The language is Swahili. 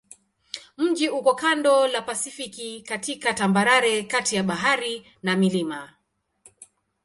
Mji uko kando la Pasifiki katika tambarare kati ya bahari na milima.